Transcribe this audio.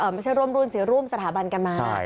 ไม่ใช่ร่วมรุ่นเสียร่วมสถาบันกันมา